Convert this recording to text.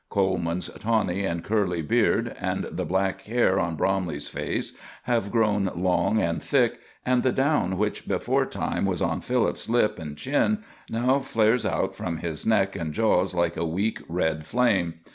Coleman's tawny and curly beard and the black hair on Bromley's face have grown long and thick, and the down which beforetime was on Philip's lip and chin now flares out from his neck and jaws like a weak red flame.